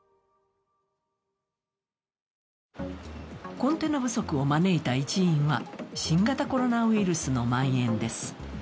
コンテナ不足を招いた一因は、新型コロナウイルスのまん延です。